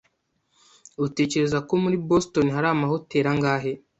Utekereza ko muri Boston hari amahoteri angahe?